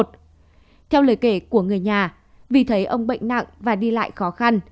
theo lời kể của người nhà vì thấy ông bệnh nặng và đi lại khó khăn